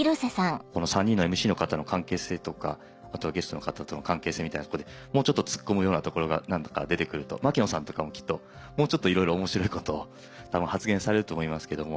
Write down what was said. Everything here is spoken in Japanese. この３人のＭＣの方の関係性とかあとはゲストの方との関係性みたいなとこでもうちょっとツッコむようなところが何度か出てくると槙野さんとかもきっともうちょっといろいろ面白いことを多分発言されると思いますけども。